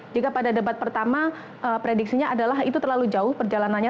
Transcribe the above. jika pada debat pertama prediksinya adalah itu terlalu jauh perjalanannya